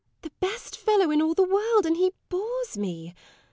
_] The best fellow in all the world, and he bores me.